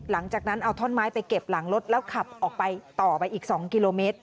หลังจากนั้นเอาท่อนไม้ไปเก็บหลังรถแล้วขับออกไปต่อไปอีก๒กิโลเมตร